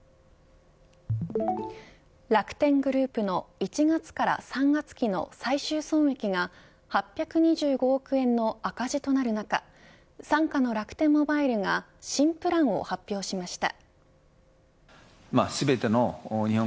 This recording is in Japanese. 楽天グループの１月から３月期の最終損益が８２５億円の赤字となる中傘下の楽天モバイルが新プランを発表しました。